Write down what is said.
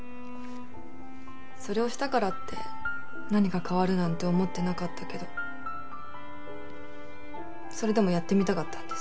それをしたからって何か変わるなんて思ってなかったけどそれでもやってみたかったんです。